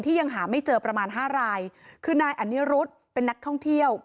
ยังหาไม่เจอประมาณห้ารายคือนายอนิรุธเป็นนักท่องเที่ยว